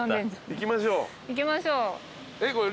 行きましょう。